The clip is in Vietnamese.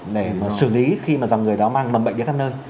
để mà xử lý khi mà dòng người đó mang mầm bệnh đến các nơi